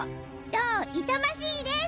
どいたましいです。